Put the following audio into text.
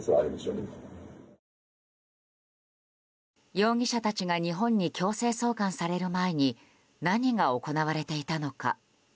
容疑者たちが日本に強制送還される前に何が行われていたのか。